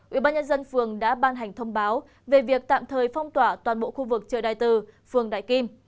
ubnd phường đã ban hành thông báo về việc tạm thời phong tỏa toàn bộ khu vực chợ đại từ phường đại kim